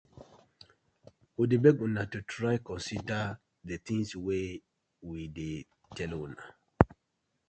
We dey beg una to try consider the tinz wey we dey tell una.